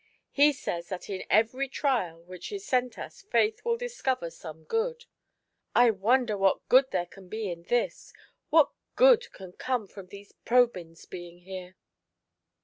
He says that in every trial which is sent us faith will discover some good ;— I wonder what good there can be in this ; what good can come from these Probyns being here